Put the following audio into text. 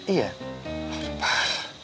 iya aduh pak